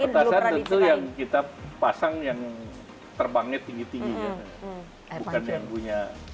petasan itu yang kita pasang yang terbangnya tinggi tinggi